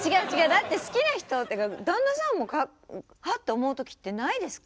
だって好きな人っていうか旦那さんをハッと思う時ってないですか？